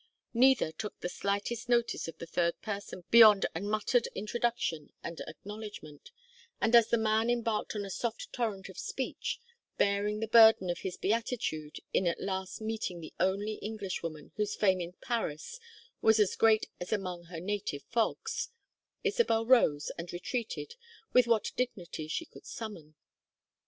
Neither took the slightest notice of the third person beyond a muttered introduction and acknowledgment, and as the man embarked on a soft torrent of speech, bearing the burden of his beatitude in at last meeting the only Englishwoman whose fame in Paris was as great as among her native fogs, Isabel rose and retreated with what dignity she could summon.